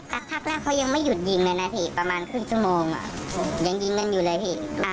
กักทักแล้วเขายังไม่หยุดยิงเลยนะครับอีกประมาณครึ่งชั่วโมงยังยิงกันอยู่เลย